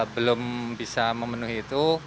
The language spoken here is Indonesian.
belum bisa memenuhi itu